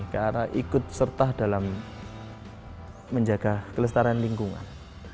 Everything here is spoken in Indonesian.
ke arah ikut serta dalam menjaga kelestarian lingkungan